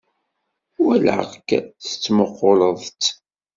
Walaɣ-k tettmuquleḍ-tt.